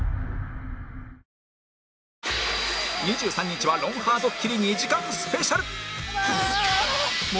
２３日は『ロンハー』ドッキリ２時間スペシャル